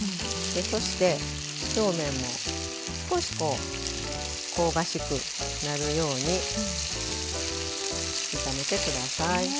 そして表面も少し香ばしくなるように炒めてください。